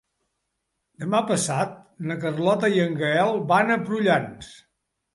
Demà passat na Carlota i en Gaël van a Prullans.